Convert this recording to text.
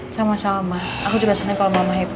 sama sama ma aku juga seneng kalo mama happy